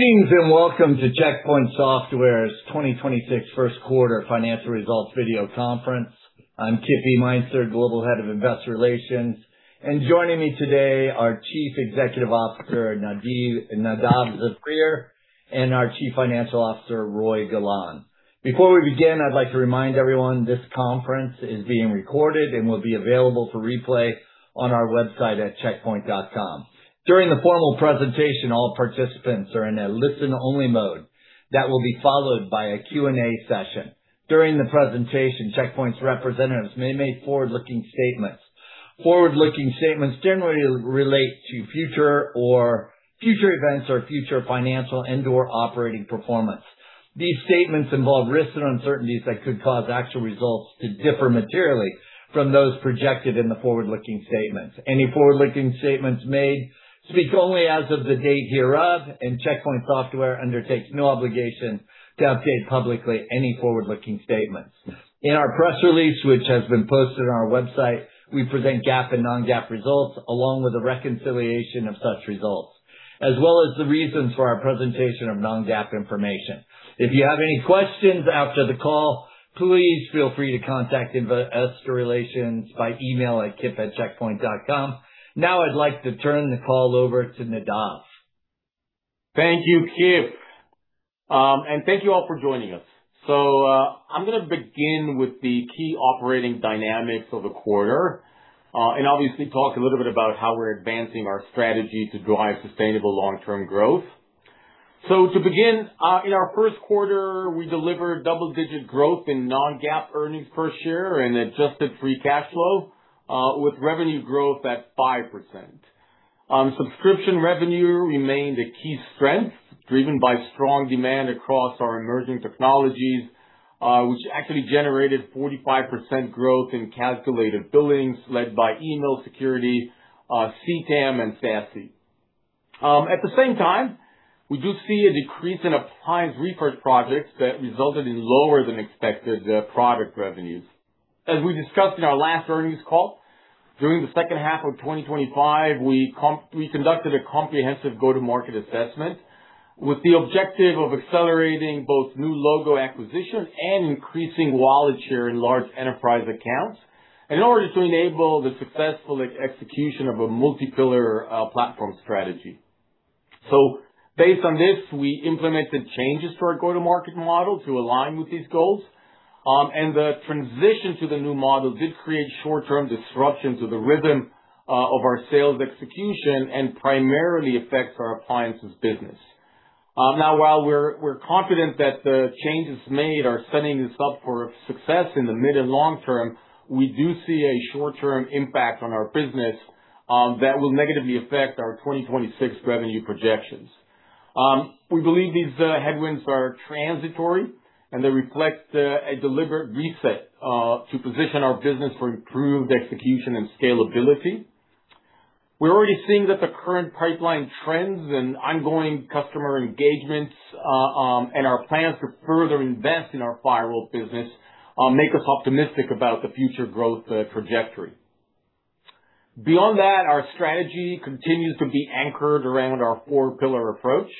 Greetings and welcome to Check Point Software's 2026 first quarter financial results video conference. I'm Kip Meintzer, Global Head of Investor Relations, and joining me today are Chief Executive Officer Nadav Zafrir and our Chief Financial Officer, Roei Golan. Before we begin, I'd like to remind everyone this conference is being recorded and will be available for replay on our website at checkpoint.com. During the formal presentation, all participants are in a listen-only mode that will be followed by a Q&A session. During the presentation, Check Point's representatives may make forward-looking statements. Forward-looking statements generally relate to future events or future financial and/or operating performance. These statements involve risks and uncertainties that could cause actual results to differ materially from those projected in the forward-looking statements. Any forward-looking statements made speak only as of the date hereof, Check Point Software undertakes no obligation to update publicly any forward-looking statements. In our press release, which has been posted on our website, we present GAAP and non-GAAP results, along with a reconciliation of such results, as well as the reasons for our presentation of non-GAAP information. If you have any questions after the call, please feel free to contact Investor Relations by email at kip@checkpoint.com. I'd like to turn the call over to Nadav. Thank you, Kip. Thank you all for joining us. I'm gonna begin with the key operating dynamics of the quarter, and obviously talk a little bit about how we're advancing our strategy to drive sustainable long-term growth. To begin, in our first quarter, we delivered double-digit growth in non-GAAP earnings per share and adjusted free cash flow, with revenue growth at 5%. Subscription revenue remained a key strength, driven by strong demand across our emerging technologies, which actually generated 45% growth in calculated billings led by email security, CTEM and SASE. At the same time, we do see a decrease in appliance refresh projects that resulted in lower than expected product revenues. As we discussed in our last earnings call, during the second half of 2025, we conducted a comprehensive go-to-market assessment with the objective of accelerating both new logo acquisitions and increasing wallet share in large enterprise accounts in order to enable the successful execution of a multi-pillar platform strategy. Based on this, we implemented changes to our go-to-market model to align with these goals. The transition to the new model did create short-term disruptions to the rhythm of our sales execution and primarily affects our appliances business. Now, while we're confident that the changes made are setting us up for success in the mid and long term, we do see a short-term impact on our business that will negatively affect our 2026 revenue projections. We believe these headwinds are transitory, and they reflect a deliberate reset to position our business for improved execution and scalability. We're already seeing that the current pipeline trends and ongoing customer engagements, and our plans to further invest in our firewall business, make us optimistic about the future growth trajectory. Beyond that, our strategy continues to be anchored around our four-pillar approach,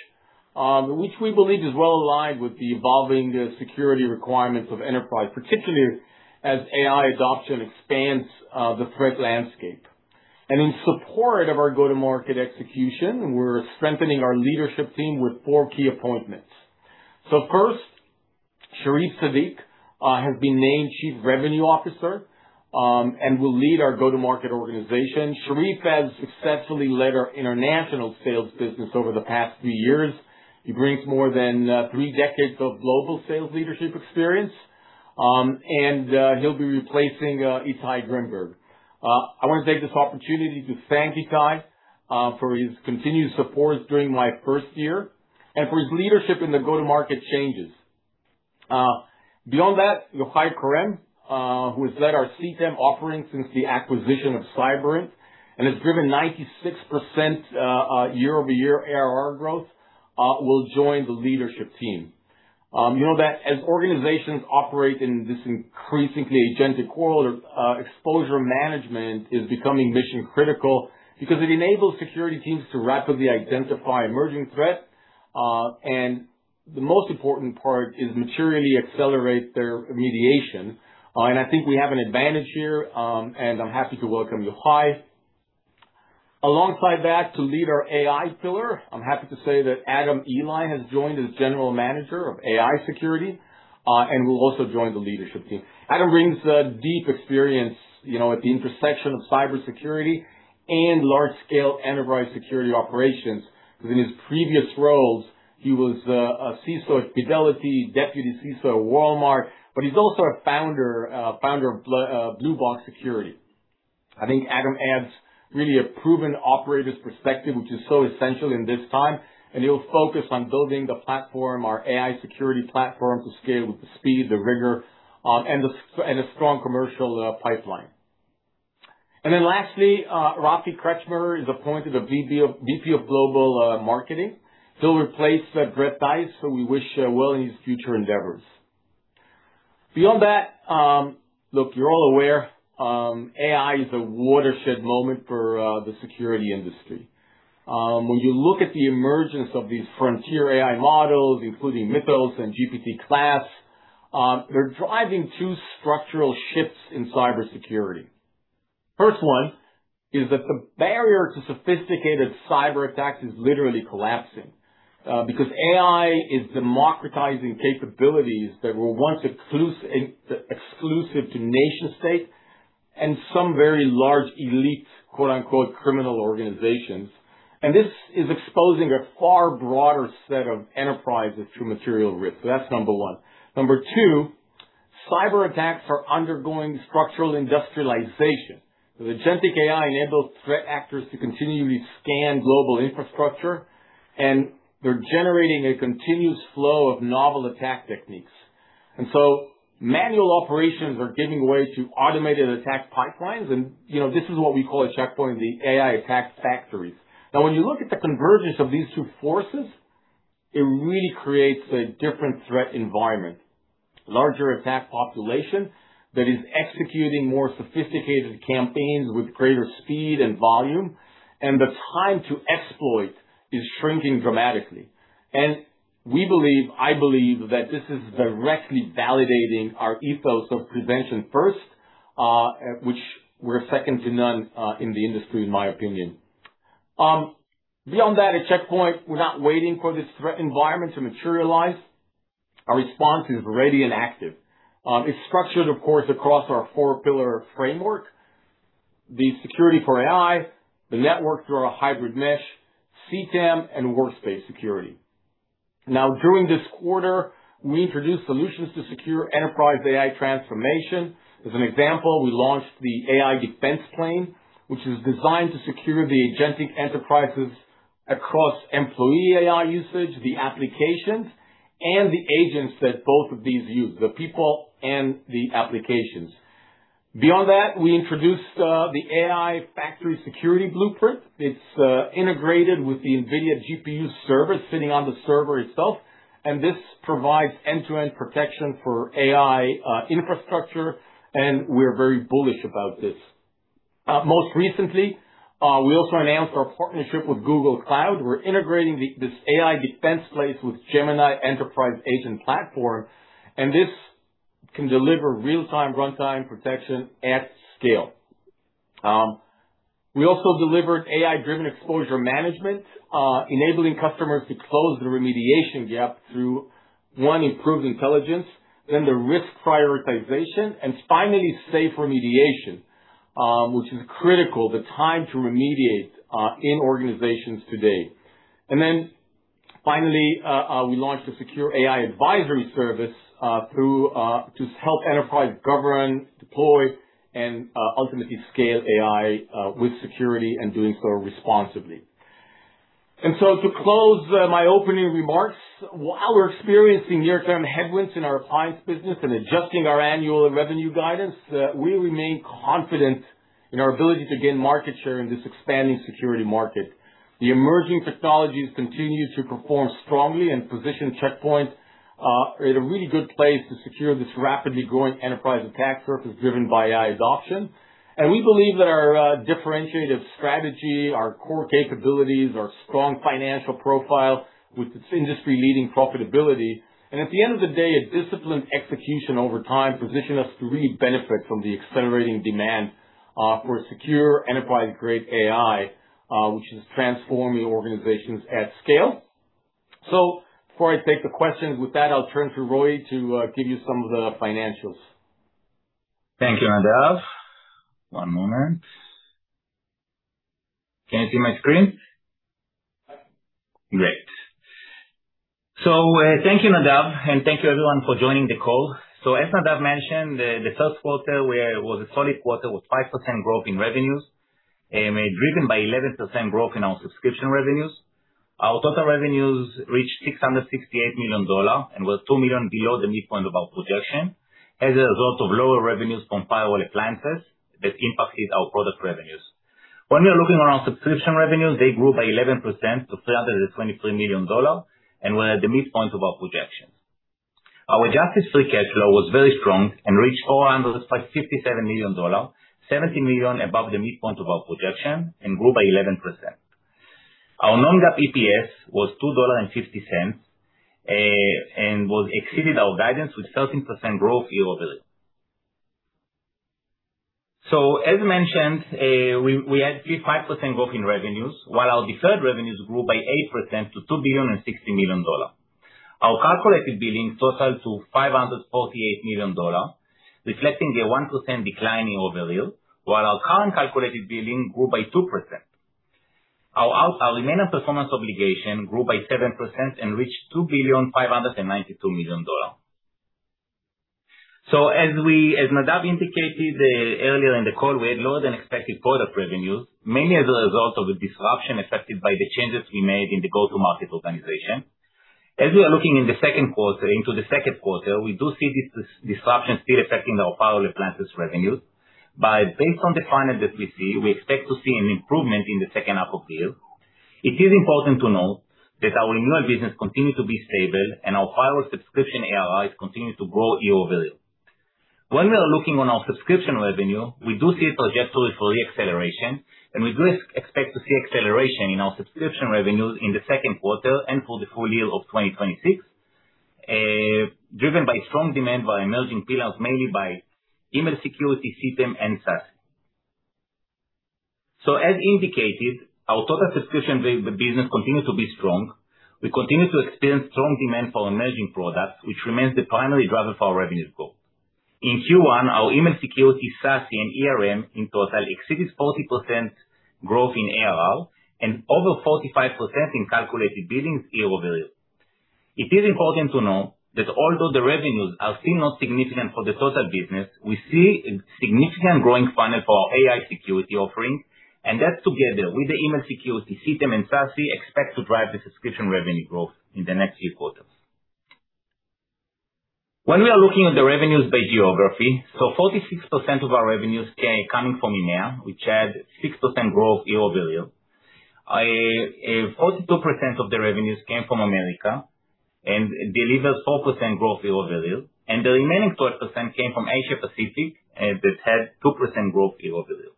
which we believe is well aligned with the evolving security requirements of enterprise, particularly as AI adoption expands the threat landscape. In support of our go-to-market execution, we're strengthening our leadership team with four key appointments. First, Sherif Seddik has been named Chief Revenue Officer, and will lead our go-to-market organization. Sherif has successfully led our international sales business over the past few years. He brings more than three decades of global sales leadership experience. He'll be replacing Itai Greenberg. I want to take this opportunity to thank Itai for his continued support during my first year and for his leadership in the go-to-market changes. Beyond that, Yochai Corem, who has led our CTEM offering since the acquisition of Cyberint and has driven 96% year-over-year ARR growth, will join the leadership team. You know that as organizations operate in this increasingly agentic world, exposure management is becoming mission-critical because it enables security teams to rapidly identify emerging threats. The most important part is materially accelerate their remediation. I think we have an advantage here, and I'm happy to welcome Yochai. Alongside that, to lead our AI pillar, I'm happy to say that Adam Ely has joined as General Manager of AI Security and will also join the leadership team. Adam brings a deep experience, you know, at the intersection of cybersecurity and large-scale enterprise security operations, because in his previous roles, he was a CISO at Fidelity, Deputy CISO at Walmart. He's also a founder of Bluebox Security. I think Adam adds really a proven operator's perspective, which is so essential in this time. He will focus on building the platform, our AI security platform, to scale with the speed, the rigor, and a strong commercial pipeline. Lastly, Rafi Kretchmer is appointed the VP of Global Marketing. He'll replace Brett Dice, who we wish well in his future endeavors. Beyond that, look, you're all aware, AI is a watershed moment for the security industry. When you look at the emergence of these frontier AI models, including Mistral and GPT class, they're driving two structural shifts in cybersecurity. First one is that the barrier to sophisticated cyber attacks is literally collapsing because AI is democratizing capabilities that were once exclusive to nation-state and some very large elite, quote-unquote, criminal organizations. This is exposing a far broader set of enterprises to material risk. That's number one. Number two, cyber attacks are undergoing structural industrialization. The agentic AI enables threat actors to continually scan global infrastructure, and they're generating a continuous flow of novel attack techniques. Manual operations are giving way to automated attack pipelines. You know, this is what we call at Check Point the AI attack factories. When you look at the convergence of these two forces, it really creates a different threat environment. Larger attack population that is executing more sophisticated campaigns with greater speed and volume, the time to exploit is shrinking dramatically. We believe, I believe that this is directly validating our ethos of prevention first, which we're second to none in the industry, in my opinion. Beyond that, at Check Point, we're not waiting for this threat environment to materialize. Our response is ready and active. It's structured, of course, across our four pillar framework: the security for AI, the network through our hybrid mesh, CTEM and workspace security. During this quarter, we introduced solutions to secure enterprise AI transformation. As an example, we launched the AI Defense Plane, which is designed to secure the agentic enterprises across employee AI usage, the applications and the agents that both of these use, the people and the applications. Beyond that, we introduced the AI Factory Security Architecture Blueprint. It's integrated with the NVIDIA GPU server sitting on the server itself. This provides end-to-end protection for AI infrastructure. We're very bullish about this. Most recently, we also announced our partnership with Google Cloud. We're integrating this AI Defense Plane with Gemini Enterprise Agent platform. This can deliver real-time runtime protection at scale. We also delivered AI-driven exposure management, enabling customers to close the remediation gap through, one, improved intelligence, then the risk prioritization, and finally safe remediation, which is critical, the time to remediate in organizations today. Then finally, we launched a secure AI advisory service through to help enterprise govern, deploy and ultimately scale AI with security and doing so responsibly. To close my opening remarks, while we're experiencing near-term headwinds in our appliance business and adjusting our annual revenue guidance, we remain confident in our ability to gain market share in this expanding security market. The emerging technologies continue to perform strongly and position Check Point at a really good place to secure this rapidly growing enterprise attack surface driven by AI adoption. We believe that our differentiated strategy, our core capabilities, our strong financial profile with its industry-leading profitability. At the end of the day, a disciplined execution over time position us to really benefit from the accelerating demand for secure enterprise-grade AI, which is transforming organizations at scale. Before I take the questions, with that, I'll turn to Roei to give you some of the financials. Thank you, Nadav. One moment. Can you see my screen? Great. Thank you, Nadav, and thank you everyone for joining the call. As Nadav mentioned, the first quarter was a solid quarter with 5% growth in revenues, driven by 11% growth in our subscription revenues. Our total revenues reached $668 million and was $2 million below the midpoint of our projection as a result of lower revenues from firewall appliances that impacted our product revenues. When we are looking around subscription revenues, they grew by 11% to $323 million and were at the midpoint of our projections. Our adjusted free cash flow was very strong and reached $457 million, $70 million above the midpoint of our projection and grew by 11%. Our non-GAAP EPS was $2.50 and was exceeded our guidance with 13% growth year-over-year. As mentioned, we had 35% growth in revenues while our deferred revenues grew by 8% to $2.06 billion. Our calculated billings totaled to $548 million, reflecting a 1% decline year-over-year. While our current calculated billing grew by 2%. Our remaining performance obligation grew by 7% and reached $2.592 billion. As Nadav indicated earlier in the call, we had lower than expected product revenues, mainly as a result of the disruption affected by the changes we made in the go-to-market organization. As we are looking in the second quarter, we do see this disruption still affecting our firewall appliances revenues. Based on the funnel that we see, we expect to see an improvement in the second half of the year. It is important to note that our renewal business continued to be stable and our firewall subscription ARRs continue to grow year-over-year. When we are looking on our subscription revenue, we do see a trajectory for re-acceleration, and we do expect to see acceleration in our subscription revenues in the second quarter and for the full year of 2026, driven by strong demand by emerging pillars, mainly by email security, CTEM, and SASE. As indicated, our total subscription business continues to be strong. We continue to experience strong demand for emerging products, which remains the primary driver for our revenues growth. In Q1, our email security, SASE, and ERM in total exceeds 40% growth in ARR and over 45% in calculated billings year-over-year. It is important to note that although the revenues are still not significant for the total business, we see a significant growing funnel for our AI security offerings, and that together with the email security, CTEM, and SASE, expect to drive the subscription revenue growth in the next few quarters. When we are looking at the revenues by geography, 46% of our revenues coming from EMEA, which had 6% growth year-over-year. 42% of the revenues came from America and delivered 4% growth year-over-year, and the remaining 12% came from Asia Pacific, that had 2% growth year-over-year.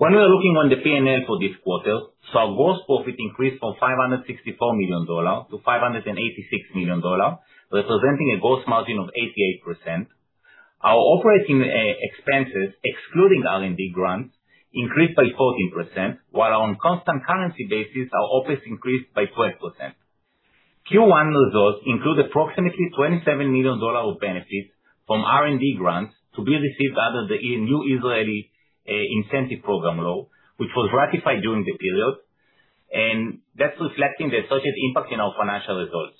We are looking on the P&L for this quarter, our gross profit increased from $564 million-$586 million, representing a gross margin of 88%. Our operating expenses, excluding R&D grants, increased by 14%, while on constant currency basis our OpEx increased by 12%. Q1 results include approximately $27 million of benefits from R&D grants to be received under the new Israeli incentive program law, which was ratified during the period, and that's reflecting the associated impact in our financial results.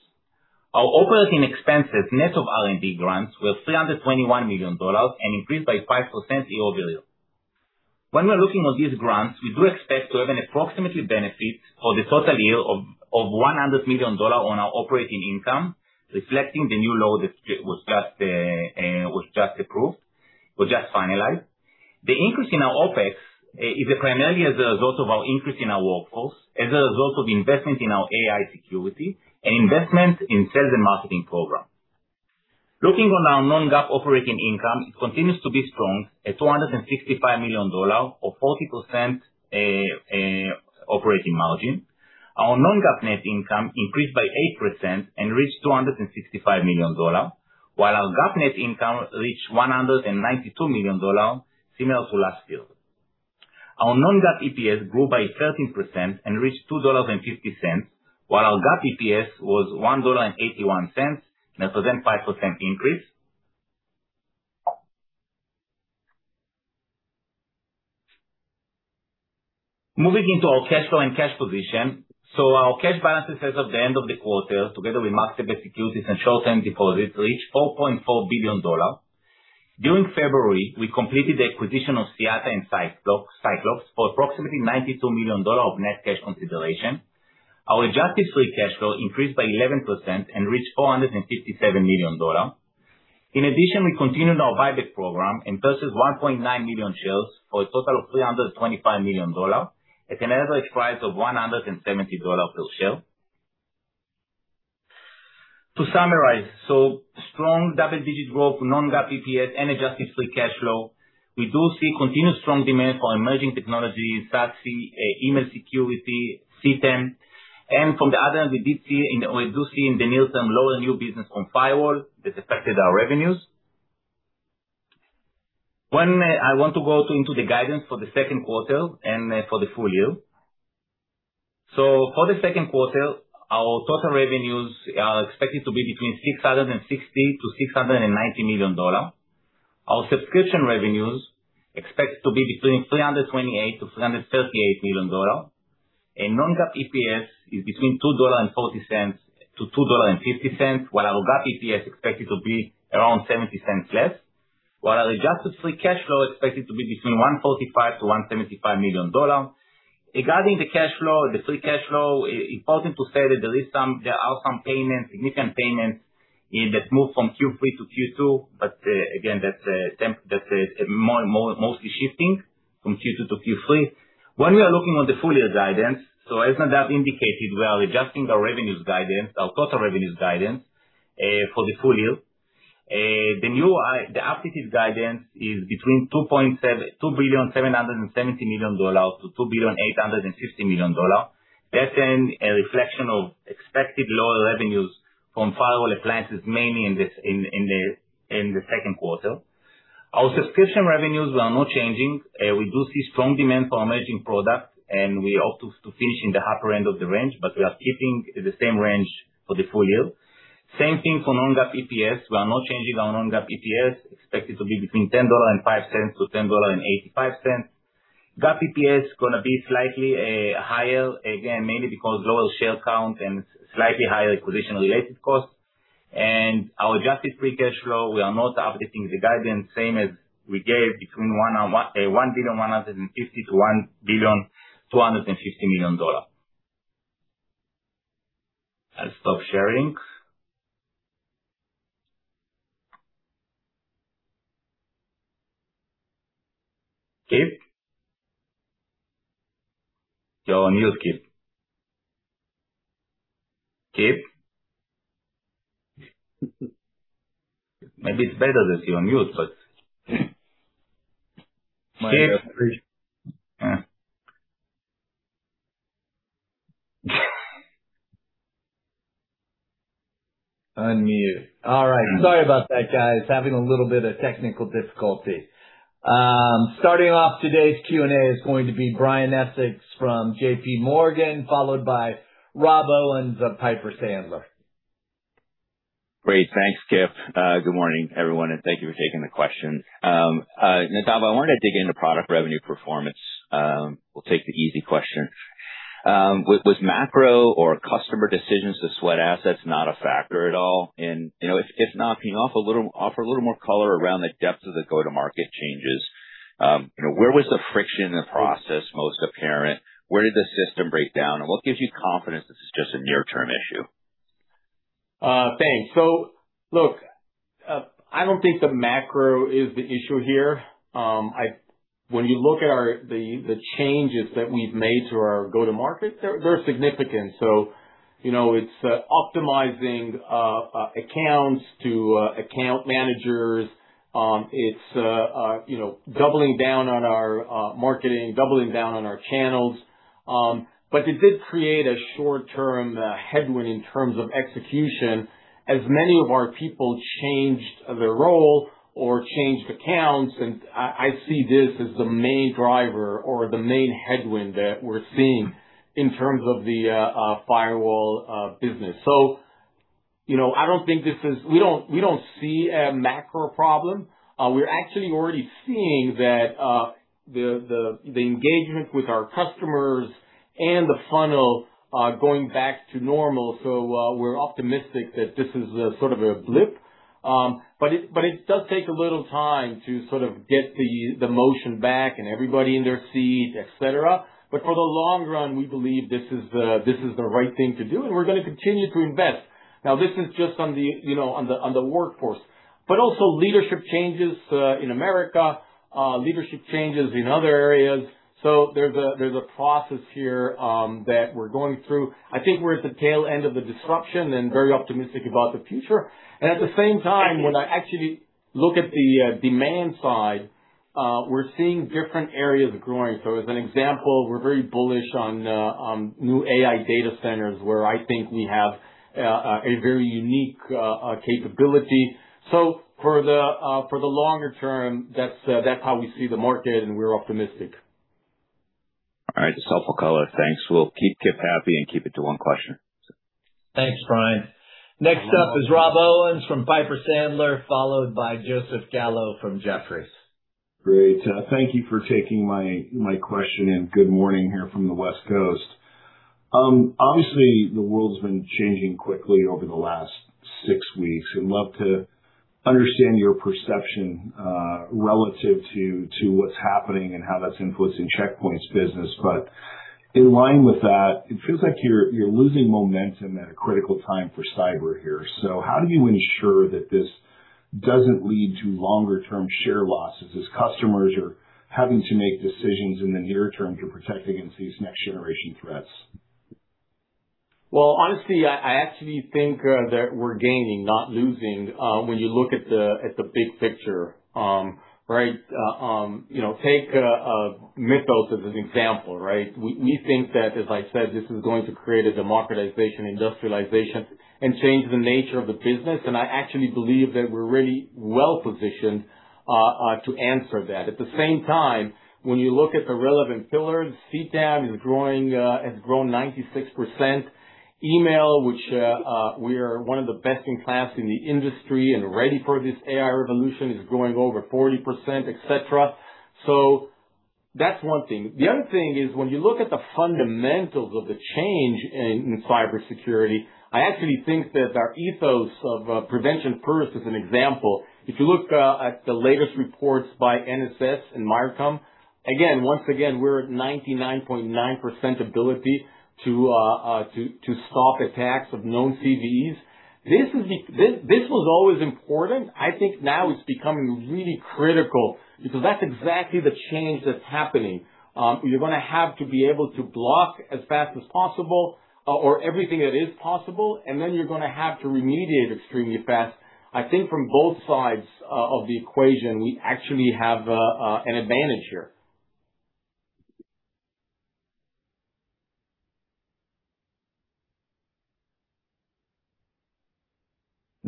Our operating expenses, net of R&D grants, were $321 million and increased by 5% year-over-year. When we are looking on these grants, we do expect to have an approximately benefit for the total year of $100 million on our operating income, reflecting the new law that was just finalized. The increase in our OpEx is primarily as a result of our increase in our workforce, as a result of investment in our AI security and investment in sales and marketing programs. Looking on our non-GAAP operating income, it continues to be strong at $265 million or 40% operating margin. Our non-GAAP net income increased by 8% and reached $265 million, while our GAAP net income reached $192 million, similar to last year. Our non-GAAP EPS grew by 13% and reached $2.50, while our GAAP EPS was $1.81, representing 5% increase. Moving into our cash flow and cash position. Our cash balances as of the end of the quarter, together with marketable securities and short-term deposits, reached $4.4 billion. During February, we completed the acquisition of Cyata and Cyclops Security for approximately $92 million of net cash consideration. Our adjusted free cash flow increased by 11% and reached $457 million. In addition, we continued our buyback program and purchased 1.9 million shares for a total of $325 million at an average price of $170 per share. To summarize, strong double-digit growth, non-GAAP EPS and adjusted free cash flow. We do see continued strong demand for emerging technologies, SASE, email security, CTEM. From the other end, we do see in the near term, lower new business on firewall that affected our revenues. One, I want to go into the guidance for the second quarter and for the full year. For the second quarter, our total revenues are expected to be between $660 million-$690 million. Our subscription revenues expected to be between $328 million-$338 million. Non-GAAP EPS is between $2.40-$2.50, while our GAAP EPS expected to be around $0.70 less. While our adjusted free cash flow expected to be between $145 million-$175 million. Regarding the cash flow, the free cash flow, important to say that there are some payments, significant payments, that moved from Q3 to Q2, again, that's mostly shifting from Q2 to Q3. We are looking on the full year guidance, as Nadav indicated, we are adjusting our revenues guidance, our total revenues guidance for the full year. The updated guidance is between $2.77 billion-$2.85 billion. That's a reflection of expected lower revenues from firewall appliances, mainly in the second quarter. Our subscription revenues, we are not changing. We do see strong demand for our emerging products, and we hope to finish in the upper end of the range, but we are keeping the same range for the full year. Same thing for non-GAAP EPS. We are not changing our non-GAAP EPS, expected to be between $10.05-$10.85. GAAP EPS gonna be slightly higher, again, mainly because lower share count and slightly higher acquisition-related costs. Our adjusted free cash flow, we are not updating the guidance, same as we gave between $1.15 billion-$1.25 billion. Kip? You're on mute, Kip. Kip? Maybe it's better that you're on mute, but. Kip? Mm. Unmute. All right. Sorry about that, guys. Having a little bit of technical difficulty. Starting off today's Q&A is going to be Brian Essex from J.P. Morgan, followed by Rob Owens of Piper Sandler. Great. Thanks, Kip. Good morning, everyone, and thank you for taking the question. Nadav, I wanted to dig into product revenue performance. We'll take the easy question. Was macro or customer decisions to sweat assets not a factor at all? You know, if not, can you offer a little more color around the depth of the go-to-market changes? You know, where was the friction in the process most apparent? Where did the system break down, and what gives you confidence this is just a near-term issue? Thanks. Look, I don't think the macro is the issue here. When you look at the changes that we've made to our go-to-market, they're significant. You know, it's optimizing accounts to account managers. It's, you know, doubling down on our marketing, doubling down on our channels. It did create a short-term headwind in terms of execution as many of our people changed their role or changed accounts. I see this as the main driver or the main headwind that we're seeing in terms of the firewall business. You know, we don't see a macro problem. We're actually already seeing that the engagement with our customers and the funnel going back to normal. We're optimistic that this is a sort of a blip. But it does take a little time to sort of get the motion back and everybody in their seat, et cetera. For the long run, we believe this is the right thing to do, and we're gonna continue to invest. This is just on the, you know, on the workforce. Also leadership changes in America, leadership changes in other areas. There's a process here that we're going through. I think we're at the tail end of the disruption and very optimistic about the future. At the same time, when I actually look at the demand side, we're seeing different areas growing. As an example, we're very bullish on new AI data centers, where I think we have a very unique capability. For the longer term, that's how we see the market, and we're optimistic. All right. That's helpful color. Thanks. We'll keep Kip happy and keep it to one question. Thanks, Brian. Next up is Rob Owens from Piper Sandler, followed by Joseph Gallo from Jefferies. Great. Thank you for taking my question, and good morning here from the West Coast. Obviously, the world's been changing quickly over the last six weeks. I'd love to understand your perception relative to what's happening and how that's influencing Check Point's business. In line with that, it feels like you're losing momentum at a critical time for cyber here. How do you ensure that this doesn't lead to longer-term share losses as customers are having to make decisions in the near term to protect against these next-generation threats? Well, honestly, I actually think that we're gaining, not losing, when you look at the big picture, right? You know, take Mistral as an example, right? We think that, as I said, this is going to create a democratization, industrialization and change the nature of the business. I actually believe that we're really well-positioned to answer that. At the same time, when you look at the relevant pillars, CTEM is growing, has grown 96%. Email, which we are one of the best-in-class in the industry and ready for this AI revolution, is growing over 40%, et cetera. That's one thing. The other thing is, when you look at the fundamentals of the change in cybersecurity, I actually think that our ethos of prevention first, as an example. If you look at the latest reports by NSS and Miercom, again, once again, we're at 99.9% ability to stop attacks of known CVEs. This was always important. I think now it's becoming really critical because that's exactly the change that's happening. You're gonna have to be able to block as fast as possible or everything that is possible, and then you're gonna have to remediate extremely fast. I think from both sides of the equation, we actually have an advantage here.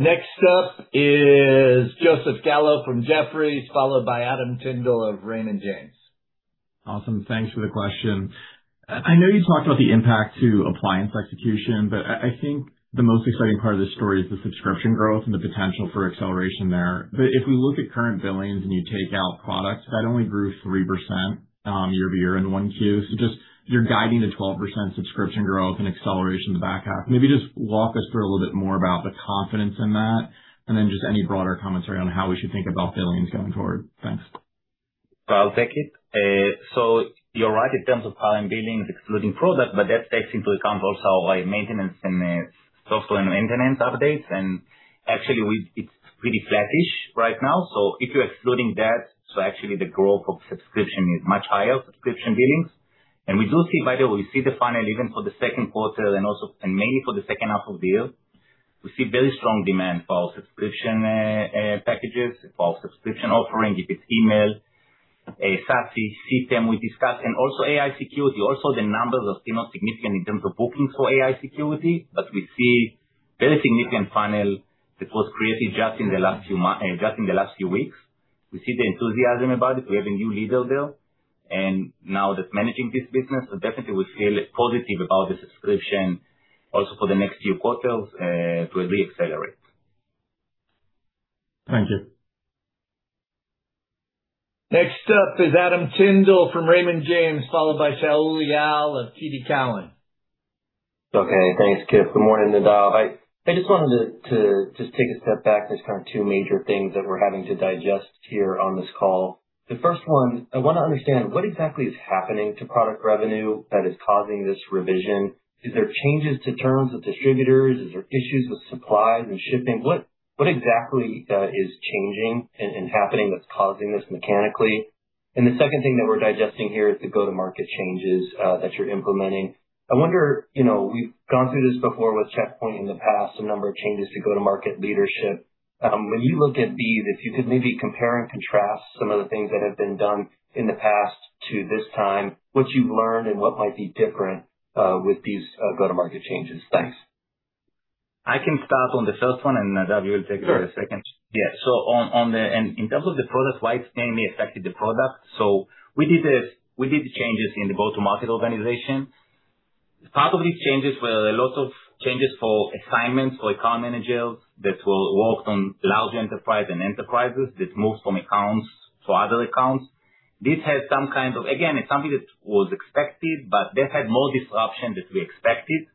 Next up is Joseph Gallo from Jefferies, followed by Adam Tindle of Raymond James. Awesome. Thanks for the question. I know you talked about the impact to appliance execution, but I think the most exciting part of this story is the subscription growth and the potential for acceleration there. If we look at current billings and you take out products, that only grew 3% year-over-year in 1Q. Just you're guiding to 12% subscription growth and acceleration in the back half. Maybe just walk us through a little bit more about the confidence in that and then just any broader commentary on how we should think about billings going forward. Thanks. I'll take it. You're right in terms of cloud and billings excluding product, but that takes into account also, like, maintenance and software and maintenance updates. Actually, it's pretty flattish right now. If you're excluding that, actually the growth of subscription is much higher, subscription billings. We do see, by the way, we see the funnel even for the second quarter and mainly for the second half of the year. We see very strong demand for our subscription packages, for our subscription offering, if it's email, SASE, CTEM we discussed, and also AI security. The numbers are still not significant in terms of bookings for AI security, but we see very significant funnel that was created just in the last few weeks. We see the enthusiasm about it. We have a new leader there, and now that's managing this business. Definitely we feel positive about the subscription also for the next few quarters to re-accelerate. Thank you. Next up is Adam Tindle from Raymond James, followed by Shaul Eyal of TD Cowen. Okay, thanks, Kip. Good morning, Nadav. I just wanted to just take a step back. There's kind of two major things that we're having to digest here on this call. The first one, I want to understand what exactly is happening to product revenue that is causing this revision. Is there changes to terms with distributors? Is there issues with supply and shipping? What exactly is changing and happening that's causing this mechanically? The second thing that we're digesting here is the go-to-market changes that you're implementing. I wonder, you know, we've gone through this before with Check Point in the past, a number of changes to go-to-market leadership. When you look at these, if you could maybe compare and contrast some of the things that have been done in the past to this time, what you've learned and what might be different with these go-to-market changes. Thanks. I can start on the first one, and Nadav, you will take the second. Sure. Yeah. In terms of the product, why it's mainly affected the product. We did the changes in the go-to-market organization. Part of these changes were a lot of changes for assignments for account managers that will work on large enterprise and enterprises that moves from accounts to other accounts. This had some kind of. Again, it's something that was expected, but that had more disruption that we expected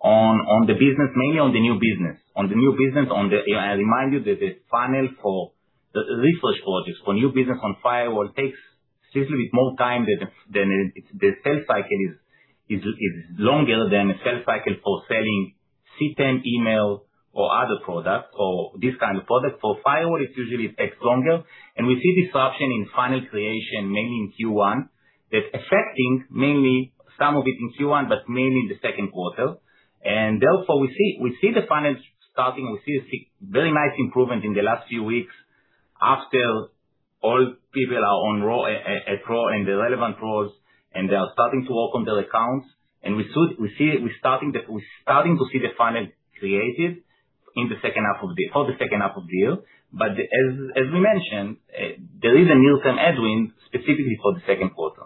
on the business, mainly on the new business. On the new business, I remind you that the funnel for the refresh projects for new business on firewall takes slightly more time than the sales cycle is longer than a sales cycle for selling CTEM, email or other products or this kind of product. For firewall, it usually takes longer. We see disruption in funnel creation mainly in Q1. That's affecting mainly some of it in Q1 but mainly in the second quarter. Therefore we see the funnel starting. We see a very nice improvement in the last few weeks after all people are on role, at role, in the relevant roles, and they are starting to work on their accounts. We're starting to see the funnel created for the second half of the year. As we mentioned, there is a near-term headwind specifically for the second quarter.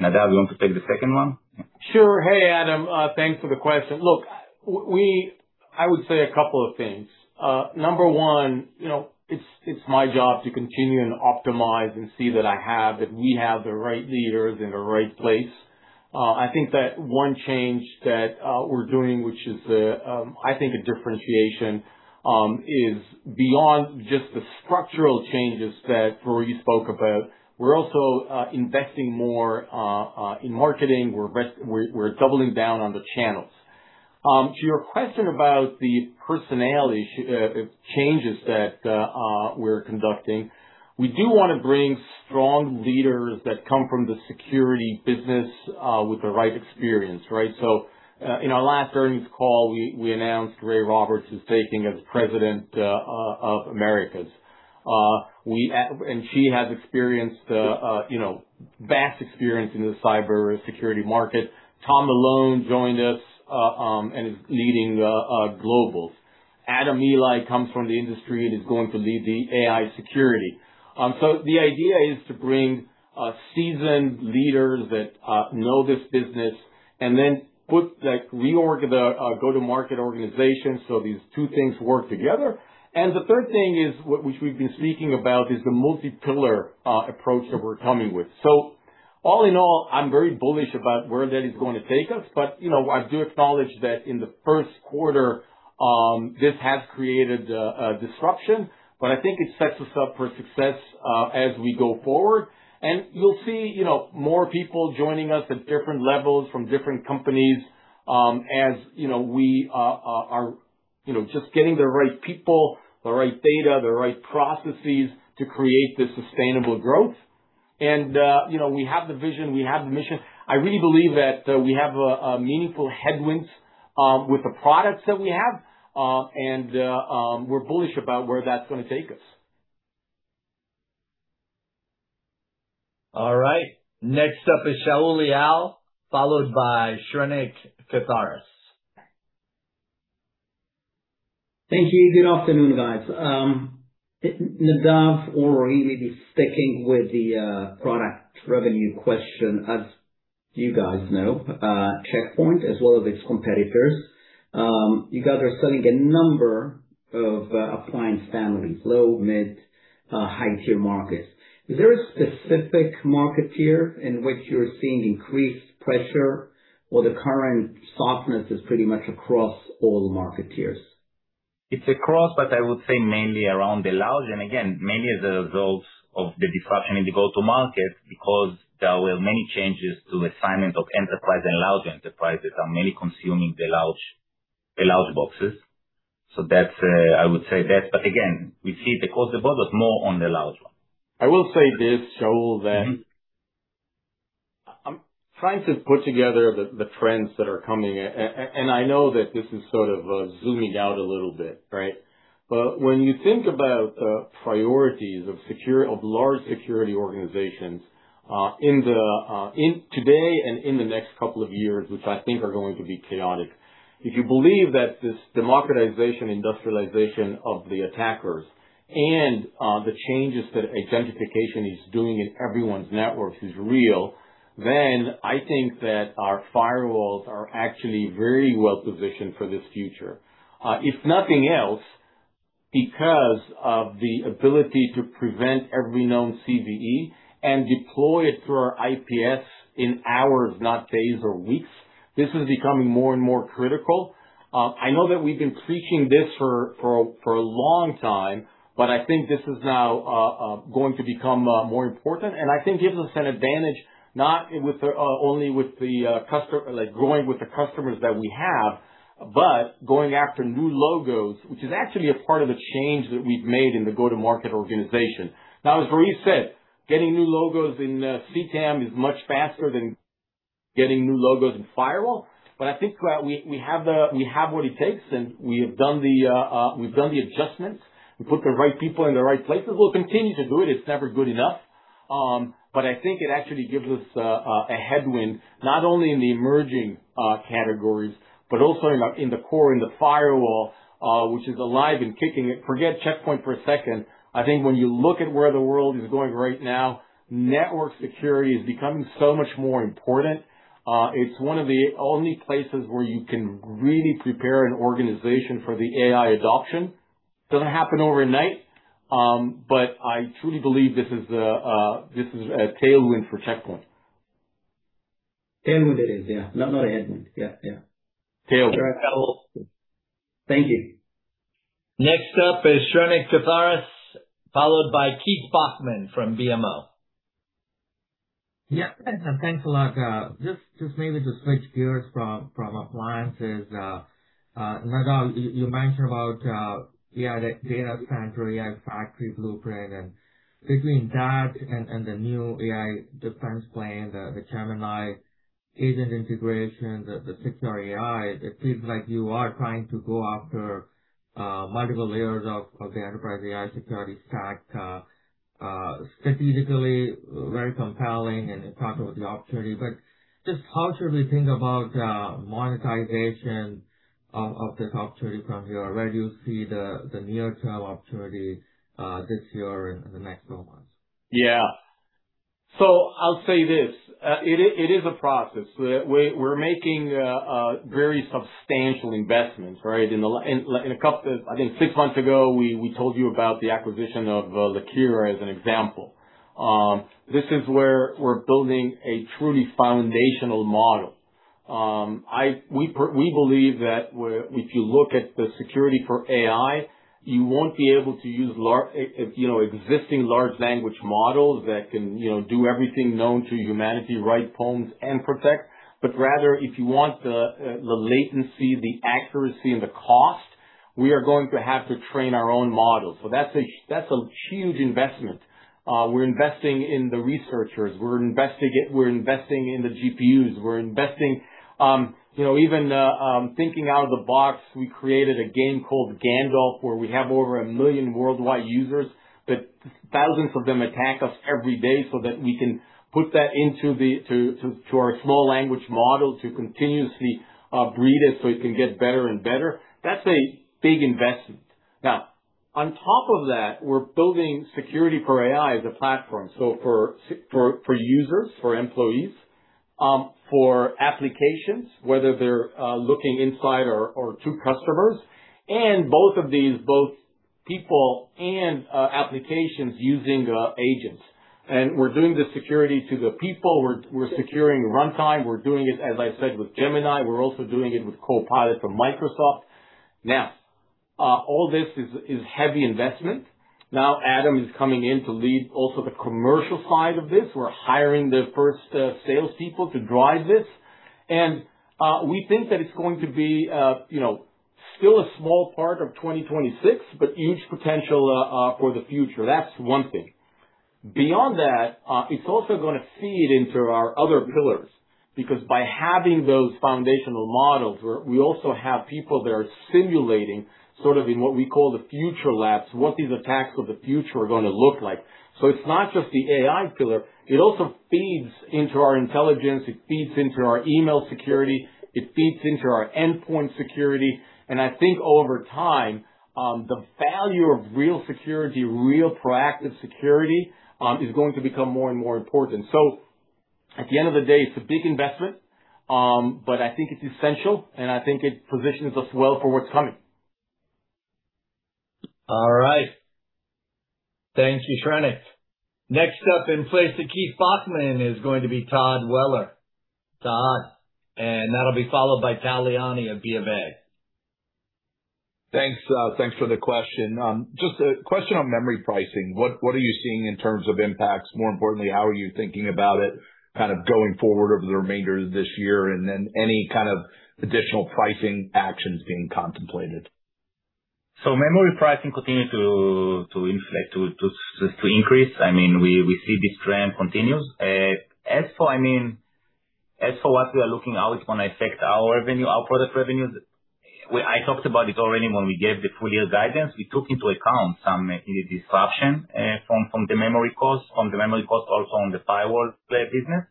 Nadav, you want to take the second one? Sure. Hey, Adam, thanks for the question. I would say a couple of things. Number one, you know, it's my job to continue and optimize and see that we have the right leaders in the right place. I think that one change that we're doing, which is, I think a differentiation, is beyond just the structural changes that, Roei, you spoke about. We're also investing more in marketing. We're doubling down on the channels. To your question about the personality changes that we're conducting, we do wanna bring strong leaders that come from the security business with the right experience, right? In our last earnings call, we announced Rachel Roberts is taking as President of Americas. She has experience, you know, vast experience in the cybersecurity market. Tom Malone joined us and is leading the global. Adam Ely comes from the industry and is going to lead the AI security. The idea is to bring seasoned leaders that know this business and then put, like, reorg the go-to-market organization, so these two things work together. The third thing is, which we've been speaking about, is the multi-pillar approach that we're coming with. All in all, I'm very bullish about where that is gonna take us. You know, I do acknowledge that in the first quarter, this has created a disruption, but I think it sets us up for success as we go forward. You'll see, you know, more people joining us at different levels from different companies, as, you know, we are, you know, just getting the right people, the right data, the right processes to create this sustainable growth. You know, we have the vision, we have the mission. I really believe that we have a meaningful headwinds with the products that we have, and we're bullish about where that's gonna take us. All right. Next up is Shaul Eyal, followed by Shrenik Kothari. Thank you. Good afternoon, guys. Nadav or Roei, maybe sticking with the product revenue question. As you guys know, Check Point as well as its competitors, you guys are selling a number of appliance families, low, mid, high tier markets. Is there a specific market tier in which you're seeing increased pressure or the current softness is pretty much across all market tiers? It's across, but I would say mainly around the large. Again, mainly as a result of the disruption in the go-to-market because there were many changes to assignment of enterprise and large enterprises are mainly consuming the large boxes. That's, I would say that. Again, we see the cost of goods was more on the large one. I will say this, Shaul. Mm-hmm. I'm trying to put together the trends that are coming. I know that this is sort of zooming out a little bit, right? When you think about priorities of large security organizations in the in today and in the next couple of years, which I think are going to be chaotic. If you believe that this democratization, industrialization of the attackers and the changes that identification is doing in everyone's networks is real, then I think that our firewalls are actually very well positioned for this future. If nothing else, because of the ability to prevent every known CVE and deploy it through our IPS in hours, not days or weeks. This is becoming more and more critical. I know that we've been preaching this for a long time, but I think this is now going to become more important. I think gives us an advantage not only with growing with the customers that we have, but going after new logos, which is actually a part of the change that we've made in the go-to-market organization. As Roei said, getting new logos in CTEM is much faster than getting new logos in firewall. I think that we have what it takes, and we have done the adjustments. We put the right people in the right places. We'll continue to do it. It's never good enough. I think it actually gives us a headwind, not only in the emerging categories, but also in the core, in the firewall, which is alive and kicking. Forget Check Point for a second. I think when you look at where the world is going right now, network security is becoming so much more important. It's one of the only places where you can really prepare an organization for the AI adoption. Doesn't happen overnight, but I truly believe this is a tailwind for Check Point. Tailwind it is. Yeah. Not a headwind. Yeah. Tailwind. Thank you. Next up is Shrenik Kothari, followed by Keith Bachman from BMO. Yeah. Thanks a lot. Just maybe to switch gears from appliances. Nadav, you mentioned about AI data center, AI Factory Blueprint. Between that and the new AI Defense Plane, the Gemini agent integration, the security AI, it seems like you are trying to go after multiple layers of the enterprise AI security stack. Strategically very compelling and in terms of the opportunity. Just how should we think about monetization of this opportunity from here? Where do you see the near-term opportunity this year and the next 12 months? Yeah. It is a process. We're making very substantial investments, right? I think six months ago, we told you about the acquisition of Lakera as an example. This is where we're building a truly foundational model. We believe that if you look at the security for AI, you won't be able to use existing large language models that can, you know, do everything known to humanity, write poems and protect. Rather, if you want the latency, the accuracy and the cost, we are going to have to train our own models. That's a huge investment. We're investing in the researchers, we're investing in the GPUs. We're investing, you know, even thinking out of the box, we created a game called Gandalf, where we have over a million worldwide users, but thousands of them attack us every day so that we can put that into our small language model to continuously breed it so it can get better and better. That's a big investment. On top of that, we're building security for AI as a platform. For users, for employees, for applications, whether they're looking inside or to customers. Both of these people and applications using agents. We're doing the security to the people. We're securing runtime. We're doing it, as I said, with Gemini. We're also doing it with Copilot from Microsoft. All this is heavy investment. Now Adam is coming in to lead also the commercial side of this. We're hiring the first salespeople to drive this. We think that it's going to be, you know, still a small part of 2026, but huge potential for the future. That's one thing. Beyond that, it's also gonna feed into our other pillars, because by having those foundational models, we also have people that are simulating sort of in what we call the future labs, what these attacks of the future are gonna look like. It's not just the AI pillar. It also feeds into our intelligence, it feeds into our email security, it feeds into our endpoint security. I think over time, the value of real security, real proactive security, is going to become more and more important. At the end of the day, it's a big investment, but I think it's essential, and I think it positions us well for what's coming. All right. Thank you, Shrenik. Next up in place of Keith Bachman is going to be Todd Weller. Todd. That'll be followed by Tal Liani of BofA. Thanks, thanks for the question. Just a question on memory pricing. What are you seeing in terms of impacts? More importantly, how are you thinking about it kind of going forward over the remainder of this year? Any kind of additional pricing actions being contemplated? Memory pricing continues to inflate, to increase. I mean, we see this trend continues. As for, I mean, as for what we are looking how it's gonna affect our revenue, our product revenues, I talked about it already when we gave the full year guidance. We took into account some disruption from the memory costs also on the firewall business.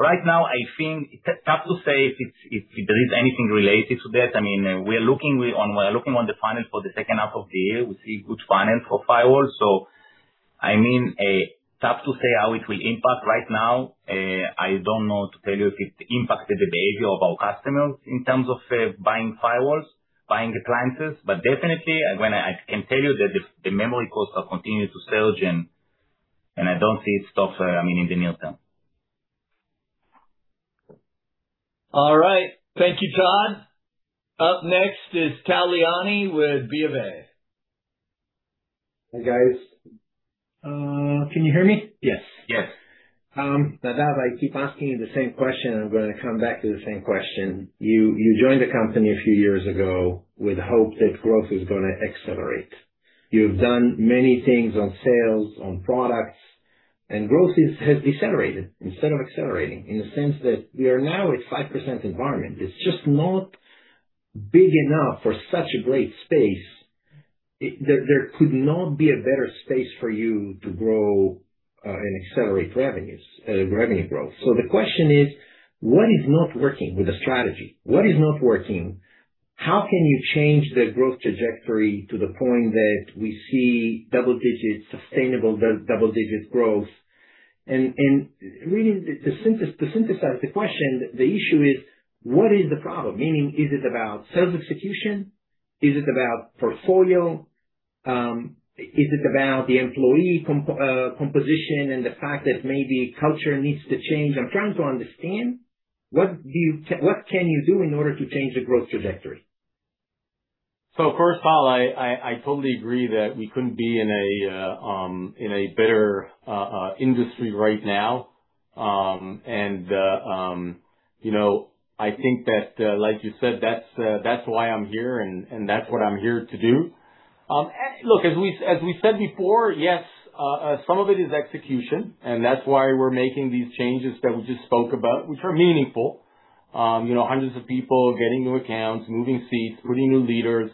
Right now, I think it's tough to say if there is anything related to that. I mean, we are looking on the funnel for the second half of the year. We see good funnel for firewall. I mean, tough to say how it will impact right now. I don't know to tell you if it impacted the behavior of our customers in terms of buying firewalls, buying appliances. Definitely I can tell you that the memory costs have continued to surge, and I don't see it stop, I mean, in the near term. All right. Thank you, Todd. Up next is Tal Liani with BofA. Hey, guys. Can you hear me? Yes. Yes. Nadav, I keep asking you the same question, I'm gonna come back to the same question. You joined the company a few years ago with the hope that growth was gonna accelerate. You've done many things on sales, on products, and growth has decelerated instead of accelerating, in the sense that we are now at 5% environment. It's just not big enough for such a great space. There could not be a better space for you to grow and accelerate revenues, revenue growth. The question is, what is not working with the strategy? What is not working? How can you change the growth trajectory to the point that we see double-digit, sustainable double-digit growth? Really to synthesize the question, the issue is: What is the problem? Meaning, is it about sales execution? Is it about portfolio? Is it about the employee composition and the fact that maybe culture needs to change? I'm trying to understand what can you do in order to change the growth trajectory? First, Tal, I totally agree that we couldn't be in a better industry right now. You know, I think that, like you said, that's why I'm here and that's what I'm here to do. Look, as we said before, yes, some of it is execution, and that's why we're making these changes that we just spoke about, which are meaningful. You know, hundreds of people getting new accounts, moving seats, putting new leaders.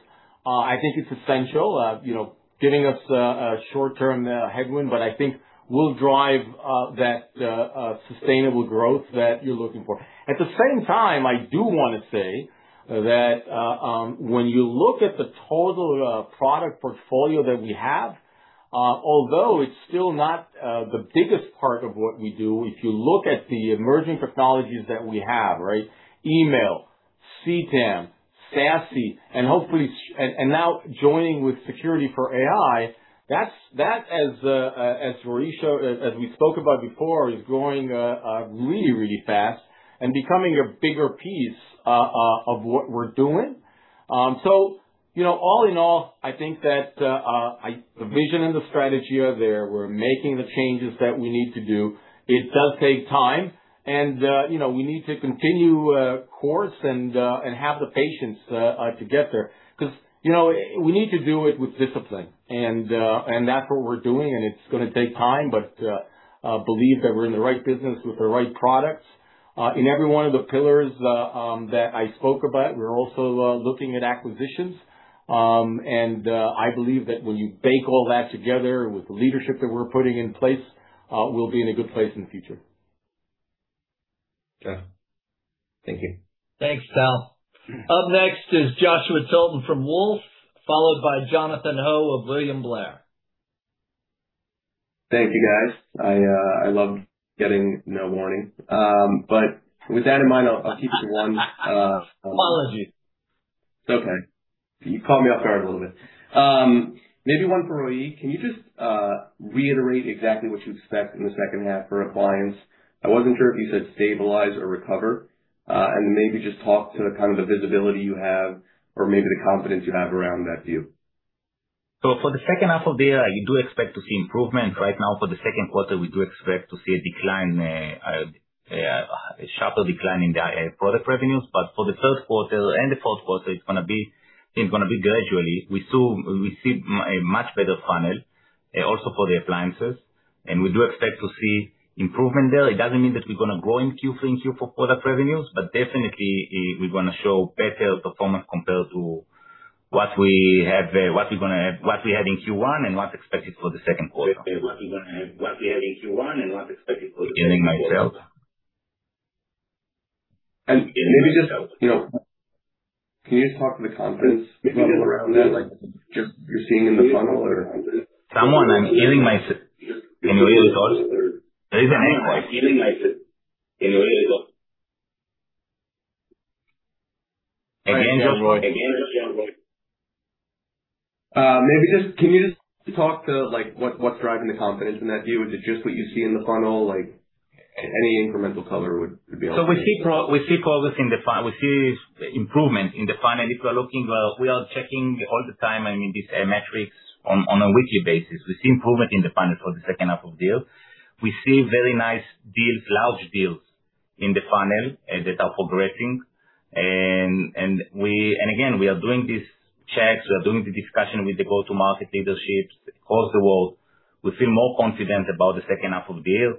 I think it's essential, you know, giving us a short-term headwind, but I think will drive that sustainable growth that you're looking for. At the same time, I do wanna say that, when you look at the total product portfolio that we have, although it's still not the biggest part of what we do, if you look at the emerging technologies that we have, right? Email, CTEM, SASE, and hopefully and now joining with security for AI, that's, that as Roei, as we spoke about before, is growing really fast and becoming a bigger piece of what we're doing. So, you know, all in all, I think that the vision and the strategy are there. We're making the changes that we need to do. It does take time and, you know, we need to continue course and and have the patience to get there. 'Cause, you know, we need to do it with discipline and that's what we're doing, and it's gonna take time. Believe that we're in the right business with the right products. In every one of the pillars that I spoke about, we're also looking at acquisitions. I believe that when you bake all that together with the leadership that we're putting in place, we'll be in a good place in the future. Okay. Thank you. Thanks, Tal. Up next is Joshua Tilton from Wolfe, followed by Jonathan Ho of William Blair. Thank you, guys. I love getting no warning. With that in mind, I'll keep it to one. Apology. It's okay. You caught me off guard a little bit. Maybe one for Roei Golan. Can you just reiterate exactly what you expect in the second half for appliances? I wasn't sure if you said stabilize or recover. Maybe just talk to the kind of the visibility you have or maybe the confidence you have around that view. For the second half of the year, you do expect to see improvement. Right now for the second quarter, we do expect to see a decline, a sharper decline in the product revenues. For the third quarter and the fourth quarter, it's gonna be gradually. We see a much better funnel, also for the appliances, and we do expect to see improvement there. It doesn't mean that we're gonna grow in Q3 and Q4 product revenues, but definitely, we're gonna show better performance compared to what we have, what we gonna have, what we had in Q1 and what's expected for the second quarter. Maybe just, you know, can you just talk to the confidence level around that, like, just you're seeing in the funnel? Someone, I'm hearing myself in a way that's odd. There is an echo. I'm hearing myself in a way that's odd. Maybe can you just talk to, like, what's driving the confidence in that view? Is it just what you see in the funnel? Like, any incremental color would be helpful. We see progress in the funnel. We see improvement in the funnel. If we are looking, we are checking all the time, I mean, these metrics on a weekly basis. We see improvement in the funnel for the second half of the year. We see very nice deals, large deals in the funnel that are progressing. And again, we are doing these checks, we are doing the discussion with the go-to-market leaderships across the world. We feel more confident about the second half of the year.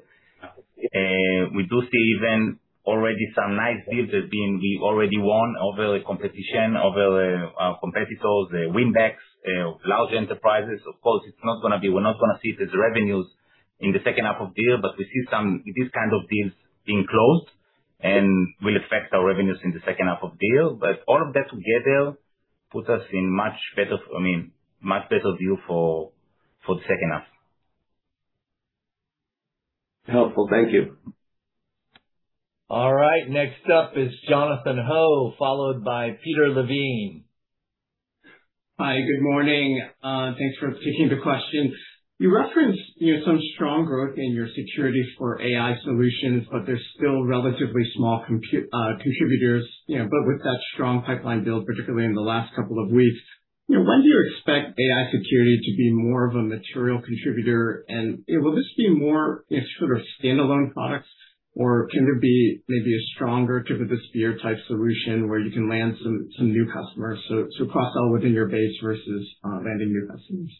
We do see even already some nice deals that we already won over the competition, over competitors, the win backs, large enterprises. Of course, it's not gonna see these revenues in the second half of the year. We see these kind of deals being closed and will affect our revenues in the second half of the year. All of that together puts us in much better, I mean, much better view for the second half. Helpful. Thank you. All right, next up is Jonathan Ho, followed by Peter Levine. Hi, good morning. Thanks for taking the question. You referenced, you know, some strong growth in your AI Security solutions, but they're still relatively small contributors, you know. With that strong pipeline build, particularly in the last couple of weeks, you know, when do you expect AI Security to be more of a material contributor? Can there be maybe a stronger type of a sphere-type solution where you can land some new customers, so cross-sell within your base versus landing new customers?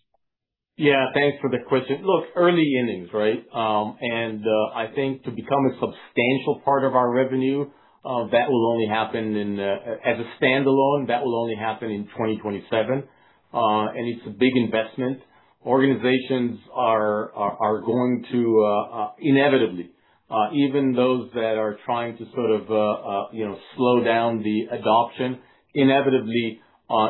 Thanks for the question. Look, early innings, right? I think to become a substantial part of our revenue, that will only happen in, as a standalone, that will only happen in 2027. It's a big investment. Organizations are going to, inevitably, even those that are trying to sort of, you know, slow down the adoption, inevitably,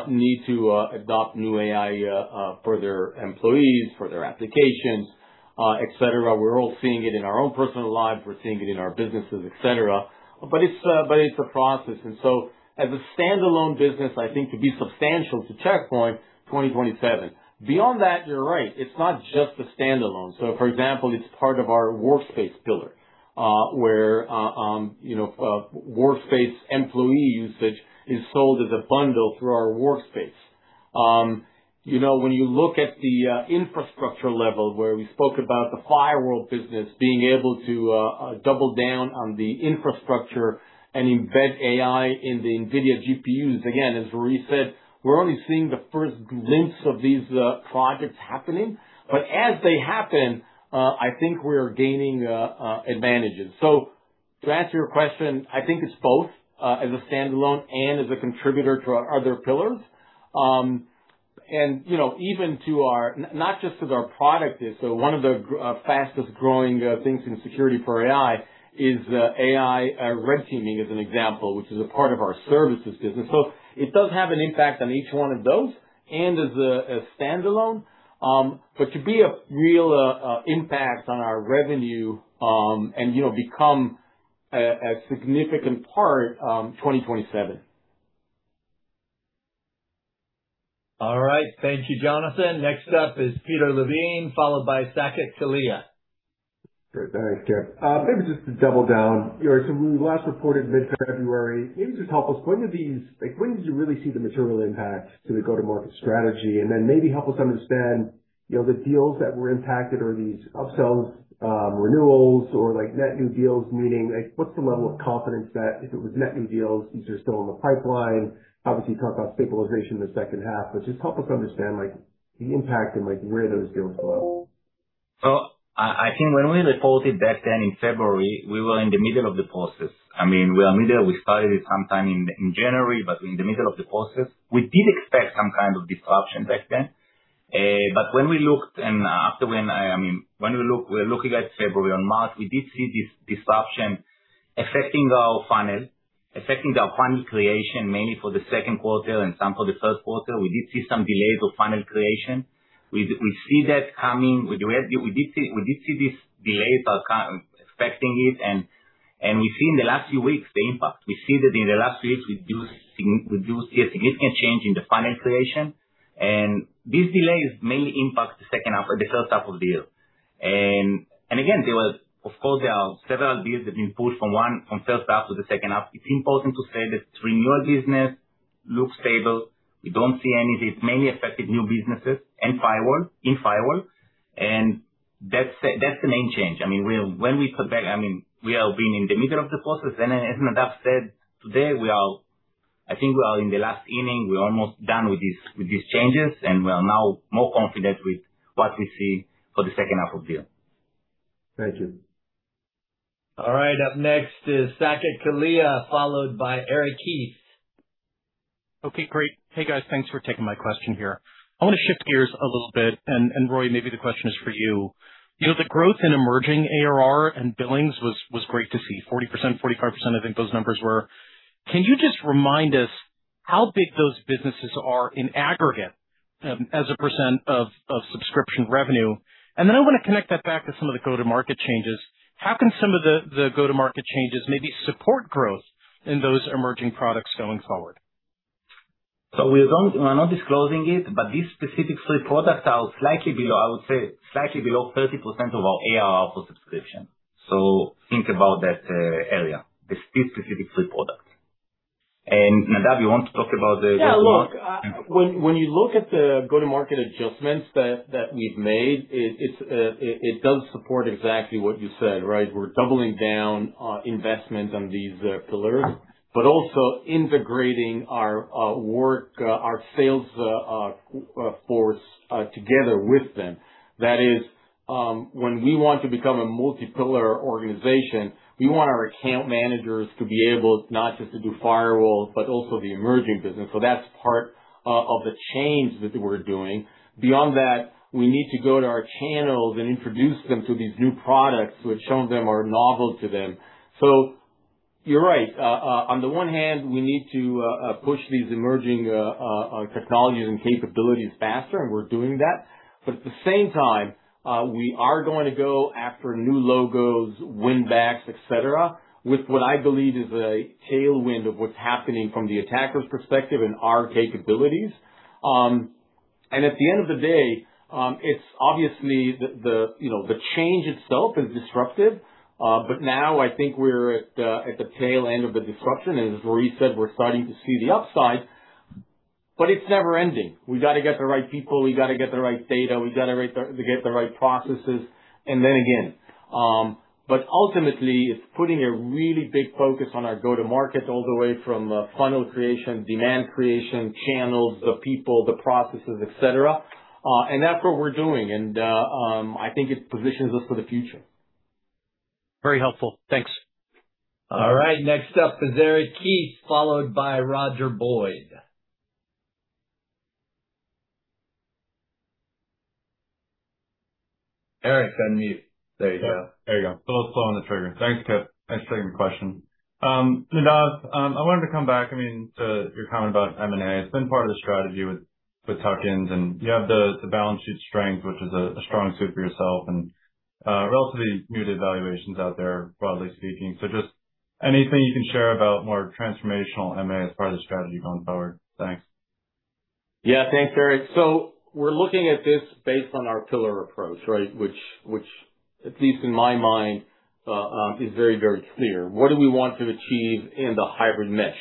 need to adopt new AI for their employees, for their applications, et cetera. We're all seeing it in our own personal lives. We're seeing it in our businesses, et cetera. It's a process. As a standalone business, I think to be substantial to Check Point, 2027. Beyond that, you're right, it's not just a standalone. For example, it's part of our workspace pillar, where, you know, workspace employee usage is sold as a bundle through our workspace. You know, when you look at the infrastructure level where we spoke about the firewall business being able to double down on the infrastructure and embed AI in the NVIDIA GPUs. Again, as Roei said, we're only seeing the first glimpse of these projects happening. As they happen, I think we're gaining advantages. To answer your question, I think it's both as a standalone and as a contributor to our other pillars, and, you know, even to our not just to our product base. One of the fastest-growing things in security for AI is AI red teaming, as an example, which is a part of our services business. It does have an impact on each one of those and as a standalone. To be a real impact on our revenue, and, you know, become a significant part, 2027. All right. Thank you, Jonathan. Next up is Peter Levine, followed by Saket Kalia. Great. Thanks, Kip. Maybe just to double down. You know, when you last reported mid-February, can you just help us, when do these, like, when do you really see the material impact to the go-to-market strategy? Maybe help us understand, you know, the deals that were impacted. Are these upsells, renewals or like net new deals? Meaning, like, what's the level of confidence that if it was net new deals, these are still in the pipeline. Obviously, you talked about stabilization in the second half, just help us understand, like, the impact and, like, where those deals fall. I think when we reported back then in February, we were in the middle of the process. I mean, we started it sometime in January, but we're in the middle of the process. We did expect some kind of disruption back then. But when we looked and after when, I mean, we're looking at February or March, we did see this disruption affecting our funnel, affecting our funnel creation, mainly for the second quarter and some for the first quarter. We did see some delays of funnel creation. We see that coming. We did see these delays are affecting it. We see in the last few weeks the impact. We see that in the last weeks we do see a significant change in the funnel creation. These delays mainly impact the second half or the first half of the year. Again, of course, there are several deals that have been pulled from one, from first half to the second half. It's important to say that renewal business looks stable. We don't see any of it. It's mainly affected new businesses and firewall. That's the main change. I mean, when we compare, I mean, we are being in the middle of the process. As Nadav said today, I think we are in the last inning. We're almost done with these changes, and we are now more confident with what we see for the second half of the year. Thank you. All right, up next is Saket Kalia, followed by Eric Heath. Okay, great. Hey, guys. Thanks for taking my question here. I wanna shift gears a little bit, and Roei, maybe the question is for you. You know, the growth in emerging ARR and billings was great to see, 40%, 45%, I think those numbers were. Can you just remind us how big those businesses are in aggregate? As a % of subscription revenue. I want to connect that back to some of the go-to-market changes. How can some of the go-to-market changes maybe support growth in those emerging products going forward? We're not disclosing it, but these specific three products are slightly below, I would say, 30% of our ARR for subscription. Think about that area. The specific three products. Nadav, you want to talk about the go-to-market? Yeah, look, when you look at the go-to-market adjustments we've made, it does support exactly what you said. We're doubling down on investment on these pillars, but also integrating our work, our sales force together with them. That is, when we want to become a multi-pillar organization, we want our account managers to be able not just to do firewall, but also the emerging business. That's part of the change that we're doing. Beyond that, we need to go to our channels and introduce them to these new products which some of them are novel to them. You're right. On the one hand, we need to push these emerging technologies and capabilities faster, and we're doing that. At the same time, we are going to go after new logos, win backs, et cetera, with what I believe is a tailwind of what's happening from the attacker's perspective and our capabilities. At the end of the day, it's obviously the, you know, the change itself is disruptive. Now I think we're at the tail end of the disruption. As Roei Golan said, we're starting to see the upside, but it's never ending. We got to get the right people. We got to get the right data. We got to get the right processes. Then again. Ultimately, it's putting a really big focus on our go-to-market all the way from funnel creation, demand creation, channels, the people, the processes, et cetera. That's what we're doing. I think it positions us for the future. Very helpful. Thanks. All right, next up is Eric Heath, followed by Roger Boyd. Eric's on mute. There you go. There you go. A little slow on the trigger. Thanks, Kip. Thanks for your question. Nadav, I wanted to come back, I mean, to your comment about M&A. It's been part of the strategy with tuck-ins, and you have the balance sheet strength, which is a strong suit for yourself and relatively muted valuations out there, broadly speaking. Just anything you can share about more transformational M&A as part of the strategy going forward. Thanks. Yeah. Thanks, Eric. We're looking at this based on our pillar approach, right? Which, which at least in my mind, is very, very clear. What do we want to achieve in the hybrid mesh?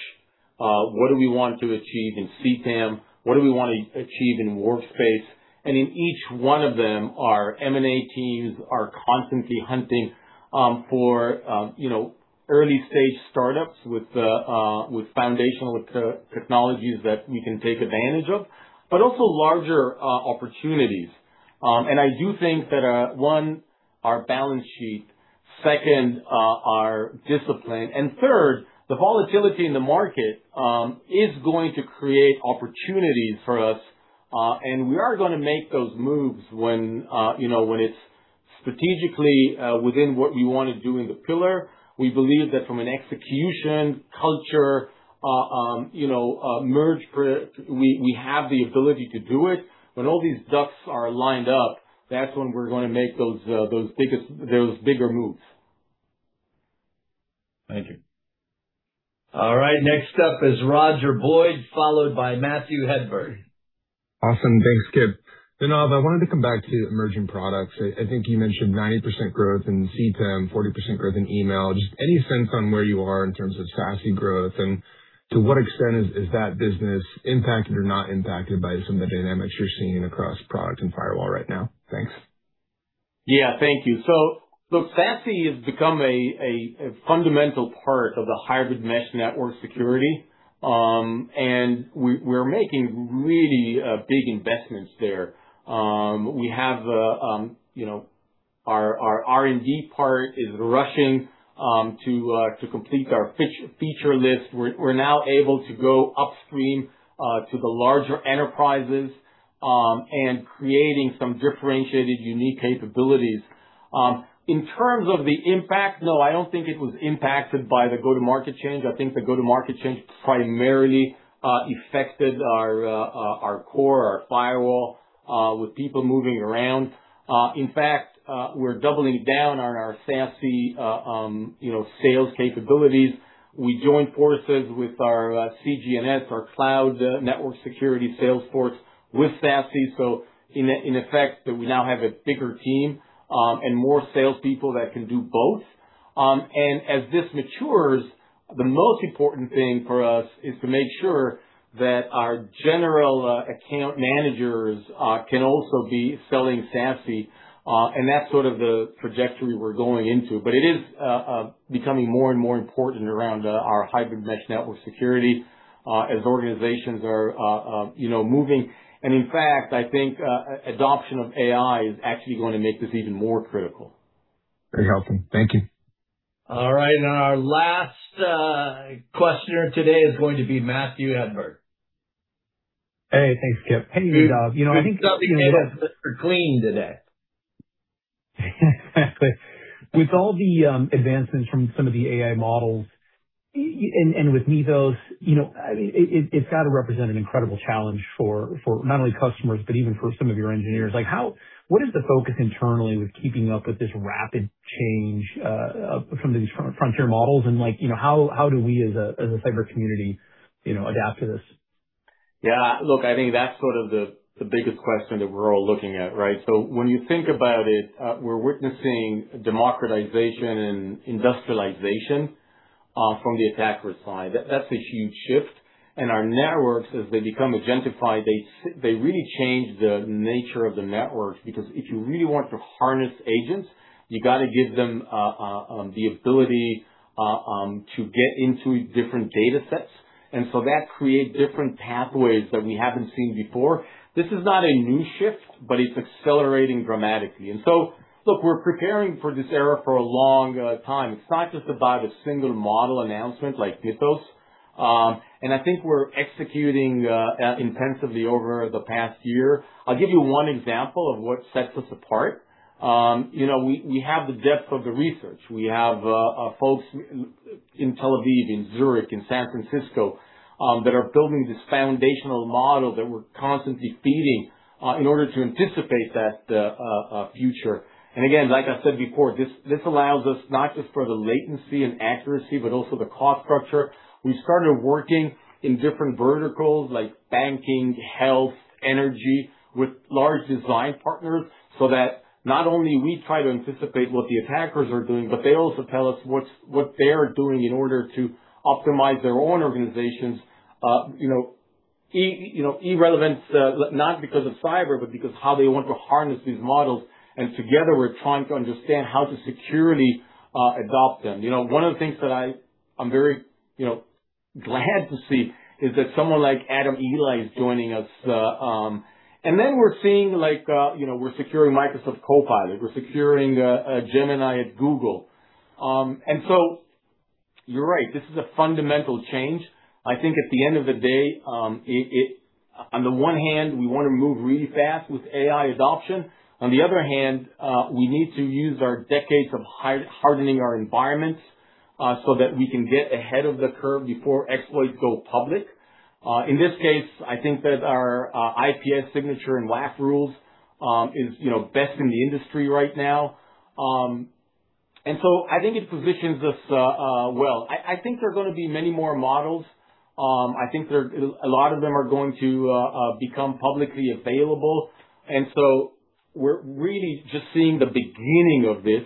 What do we want to achieve in CTEM? What do we want to achieve in workspace? In each one of them, our M&A teams are constantly hunting for, you know, early-stage startups with foundational technologies that we can take advantage of, but also larger opportunities. I do think that one, our balance sheet, second, our discipline, and third, the volatility in the market, is going to create opportunities for us. We are gonna make those moves when, you know, when it's strategically within what we want to do in the pillar. We believe that from an execution culture, you know, we have the ability to do it. When all these ducks are lined up, that's when we're gonna make those bigger moves. Thank you. All right, next up is Roger Boyd, followed by Matthew Hedberg. Awesome. Thanks, Kip. Nadav, I think you mentioned 90% growth in CTEM, 40% growth in email. Just any sense on where you are in terms of SASE growth and to what extent is that business impacted or not impacted by some of the dynamics you're seeing across product and firewall right now? Thanks. Yeah. Thank you. Look, SASE has become a fundamental part of the hybrid mesh network security. We're making really big investments there. We have, you know, our R&D part is rushing to complete our feature list. We're now able to go upstream to the larger enterprises and creating some differentiated, unique capabilities. In terms of the impact, no, I don't think it was impacted by the go-to-market change. I think the go-to-market change primarily affected our core, our firewall with people moving around. In fact, we're doubling down on our SASE, you know, sales capabilities. We joined forces with our CGNS, our cloud network security sales force with SASE. In effect, that we now have a bigger team, and more salespeople that can do both. As this matures, the most important thing for us is to make sure that our general account managers can also be selling SASE, and that's sort of the trajectory we're going into. It is becoming more and more important around our hybrid mesh network security, as organizations are, you know, moving. In fact, I think adoption of AI is actually going to make this even more critical. Very helpful. Thank you. All right, our last questioner today is going to be Matthew Hedberg. Hey. Thanks, Kip. Hey, Nadav. You know. You've definitely made us look for clean today. With all the advancements from some of the AI models, and with Mistral, you know, I mean, it's gotta represent an incredible challenge for not only customers, but even for some of your engineers. What is the focus internally with keeping up with this rapid change from these frontier models? Like, you know, how do we as a, as a cyber community, you know, adapt to this? Look, I think that's sort of the biggest question that we're all looking at, right? When you think about it, we're witnessing democratization and industrialization from the attacker side. That's a huge shift. Our networks, as they become agentified, they really change the nature of the network. Because if you really want to harness agents, you gotta give them the ability to get into different data sets. That create different pathways that we haven't seen before. This is not a new shift, but it's accelerating dramatically. Look, we're preparing for this era for a long time. It's not just about a single model announcement like Mistral. I think we're executing intensively over the past year. I'll give you one example of what sets us apart. You know, we have the depth of the research. We have folks in Tel Aviv, in Zurich, in San Francisco that are building this foundational model that we're constantly feeding in order to anticipate that future. Again, like I said before, this allows us not just for the latency and accuracy, but also the cost structure. We started working in different verticals like banking, health, energy with large design partners, so that not only we try to anticipate what the attackers are doing, but they also tell us what they're doing in order to optimize their own organizations, you know, irrelevance, not because of cyber, but because how they want to harness these models. Together we're trying to understand how to securely adopt them. You know, one of the things that I'm very, you know, glad to see is that someone like Adam Ely is joining us. We're seeing like, you know, we're securing Microsoft Copilot, we're securing Gemini at Google. You're right, this is a fundamental change. I think at the end of the day, on the one hand, we want to move really fast with AI adoption. On the other hand, we need to use our decades of hardening our environments, so that we can get ahead of the curve before exploits go public. In this case, I think that our IPS signature and WAF rules is, you know, best in the industry right now. I think it positions us well. I think there are going to be many more models. I think a lot of them are going to become publicly available. We're really just seeing the beginning of this.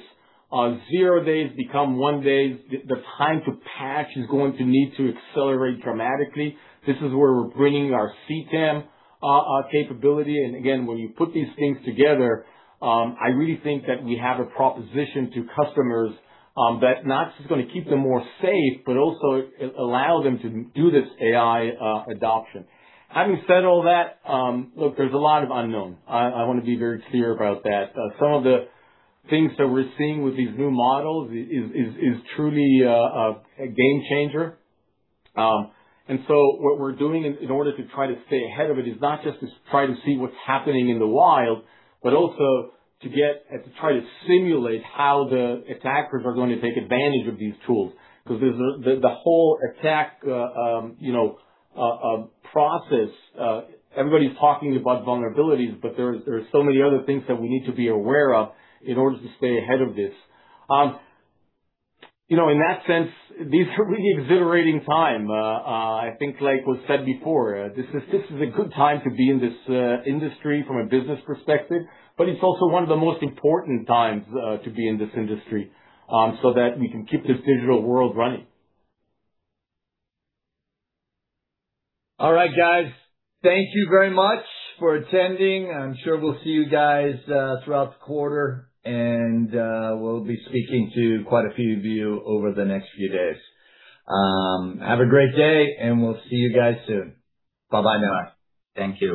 Zero-days become one-days. The time to patch is going to need to accelerate dramatically. This is where we're bringing our CTEM capability. Again, when you put these things together, I really think that we have a proposition to customers that not just going to keep them more safe, but also allow them to do this AI adoption. Having said all that, look, there's a lot of unknown. I want to be very clear about that. Some of the things that we're seeing with these new models is truly a game changer. What we're doing in order to try to stay ahead of it is not just to try to see what's happening in the wild, but also to get and to try to simulate how the attackers are going to take advantage of these tools. Because the whole attack, you know, process, everybody's talking about vulnerabilities, but there are so many other things that we need to be aware of in order to stay ahead of this. You know, in that sense, these are really exhilarating time. I think like was said before, this is a good time to be in this industry from a business perspective, but it's also one of the most important times to be in this industry, so that we can keep this digital world running. All right, guys, thank you very much for attending. I'm sure we'll see you guys throughout the quarter, and we'll be speaking to quite a few of you over the next few days. Have a great day, and we'll see you guys soon. Bye-bye now. Thank you.